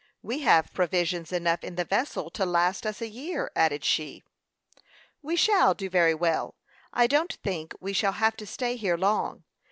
We have provisions enough in the vessel to last us a year," added she. "We shall do very well. I don't think we shall have to stay here long.